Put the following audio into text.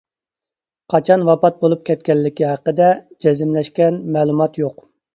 قاچان ۋاپات بولۇپ كەتكەنلىكى ھەققىدە جەزملەشكەن مەلۇمات يوق.